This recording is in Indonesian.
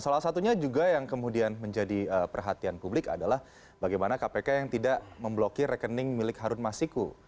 salah satunya juga yang kemudian menjadi perhatian publik adalah bagaimana kpk yang tidak memblokir rekening milik harun masiku